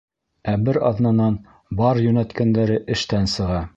Ә бер аҙнанан бар йүнәткәндәре эштән сыға!